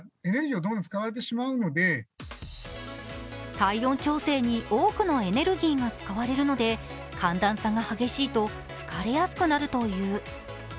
体温調整に多くのエネルギーが使われるので寒暖差が激しいと疲れやすくなるという。